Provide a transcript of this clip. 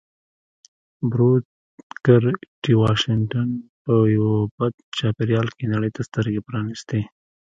بروکر ټي واشنګټن په یوه بد چاپېريال کې نړۍ ته سترګې پرانيستې